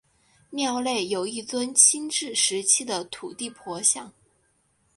庙内有一尊清治时期的土地婆像。